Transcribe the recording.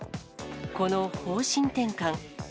この方針転換。